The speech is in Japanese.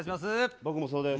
僕もそうです。